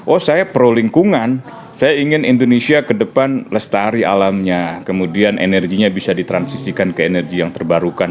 oh saya pro lingkungan saya ingin indonesia ke depan lestari alamnya kemudian energinya bisa ditransisikan ke energi yang terbarukan